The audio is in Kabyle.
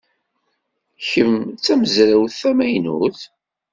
Kemm d tamezrawt tamaynut?